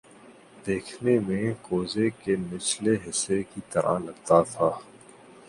دیکھنے میں کوزے کے نچلے حصے کی طرح لگتا تھا